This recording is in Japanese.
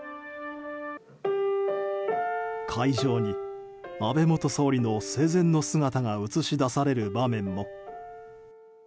会場に安倍元総理の生前の姿が映し出される場面も。